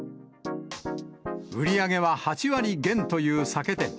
売り上げは８割減という酒店。